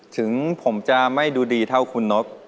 ถึงผมจะไม่ดูดีเท่าคุณนก